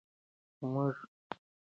موږ باید د حقایقو ملاتړ وکړو.